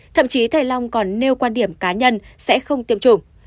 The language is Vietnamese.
thậm chí thầy long còn nêu quan điểm cá nhân sẽ không tiêm chủng